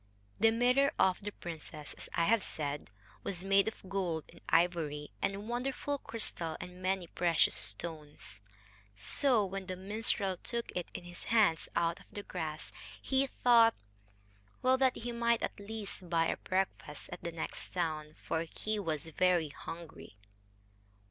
The mirror of the princess, as I have said, was made of gold and ivory, and wonderful crystal and many precious stones. So, when the minstrel took it in his hands out of the grass, he thought well, that he might at least buy a breakfast at the next town. For he was very hungry.